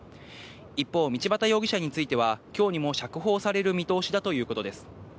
一方、道端容疑者については、きょうにも釈放される見通しだということです。